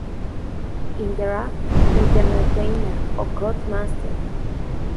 Interactive Entertainment, o Codemasters.